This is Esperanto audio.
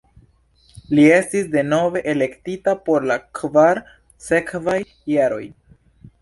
Li estis denove elektita por la kvar sekvaj jaroj.